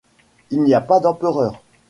Il n'y a pas d'empereur.